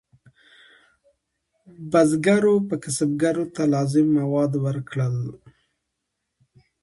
بزګرو به کسبګرو ته لازم مواد ورکول.